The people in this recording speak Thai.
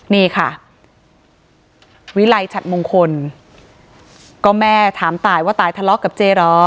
นี่ค่ะวิไลฉัดมงคลก็แม่ถามตายว่าตายทะเลาะกับเจเหรอ